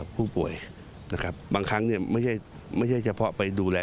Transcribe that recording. ผู้ป่วยนะครับบางครั้งเนี่ยไม่ใช่เฉพาะไปดูแล